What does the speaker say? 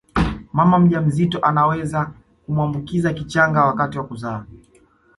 Mama mjamzito anaweza kumwambukiza kichanga wakati wa kuzaa